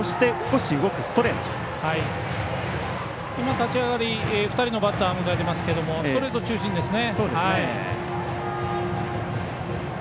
立ち上がり２人のバッター迎えていますがストレート中心ですね。